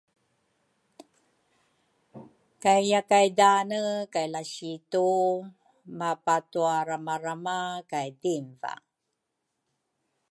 kay yakay danne kay lasitu mapatwaramarama kay dinva.